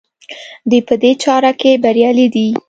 دوی په دې چاره کې بریالي دي.